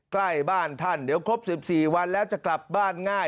ใกล้บ้านท่านเดี๋ยวครบ๑๔วันแล้วจะกลับบ้านง่าย